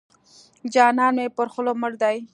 جانان مې پر خوله مړ دی.